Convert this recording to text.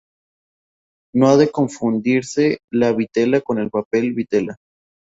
No ha de confundirse la vitela con el papel vitela.